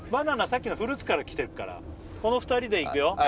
さっきのフルーツからきてるからこの２人でいくよ